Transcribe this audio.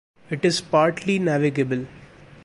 It is partly navigable.